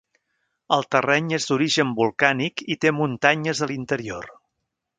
El terreny és d'origen volcànic i té muntanyes a l'interior.